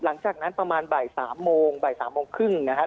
หลังจากนั้นประมาณบ่าย๓โมงบ่าย๓โมงครึ่งนะครับ